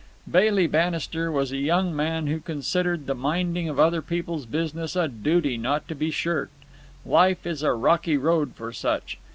Bailey Bannister was a young man who considered the minding of other people's business a duty not to be shirked. Life is a rocky road for such.